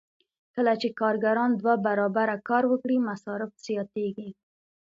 کله چې کارګران دوه برابره کار وکړي مصارف زیاتېږي